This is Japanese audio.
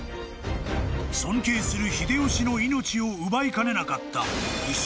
［尊敬する秀吉の命を奪いかねなかった］